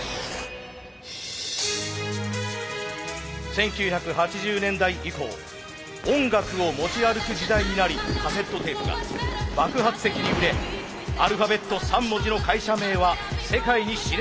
１９８０年代以降音楽を持ち歩く時代になりカセットテープが爆発的に売れアルファベット３文字の会社名は世界に知れ渡りました。